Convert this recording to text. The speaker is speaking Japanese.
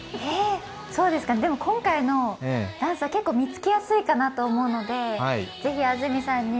そうですか、でも今回のダンスは結構、見つけやすいかなと思うのでぜひ安住さんに